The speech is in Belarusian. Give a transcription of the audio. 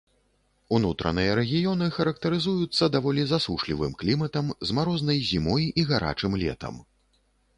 Унутраныя рэгіёны характарызуюцца даволі засушлівым кліматам з марознай зімой і гарачым летам.